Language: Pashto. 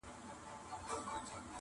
هم جوګي وو هم دروېش هم قلندر وو-